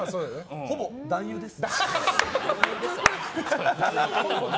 ほぼ男優です。